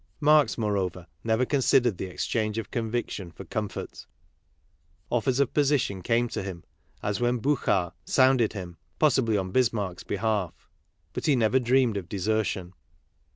Marx, moreover, never considered the exchange of conviction for com fort; offers of position came to him, as when Buchar sounded him, possibly on Bismarck's behalf ; but he never dreamed of desertion.